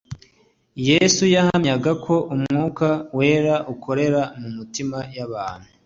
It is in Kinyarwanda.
Yesu yahamyaga ko Umwuka wera ukorera mu mitima y'abantu